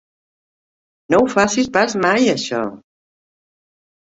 No ho facis pas mai, això!